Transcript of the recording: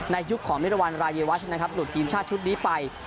ในยุคของมิตรวรรณรายเยวัชหลุดทีมชาติชุดนี้ไป